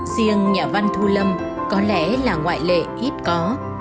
riêng nhà văn thu lâm có lẽ là ngoại lệ ít có